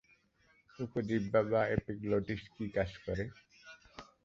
উপজিহ্বা বা এপিগ্লটিস কি কাজ করে?